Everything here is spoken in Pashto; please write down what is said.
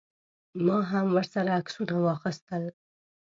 ما هم ورسره عکسونه واخیستل.